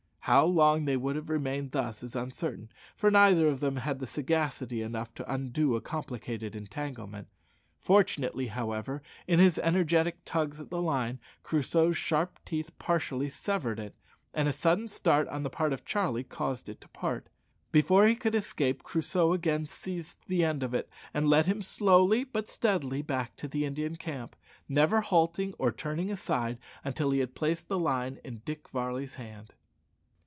How long they would have remained thus is uncertain, for neither of them had sagacity enough to undo a complicated entanglement. Fortunately, however, in his energetic tugs at the line, Crusoe's sharp teeth partially severed it, and a sudden start on the part of Charlie caused it to part. Before he could escape, Crusoe again seized the end of it, and led him slowly but steadily back to the Indian camp, never halting or turning aside until he had placed the line in Dick Varley's hand.